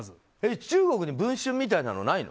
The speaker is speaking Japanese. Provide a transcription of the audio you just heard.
中国に「文春」みたいなのないの？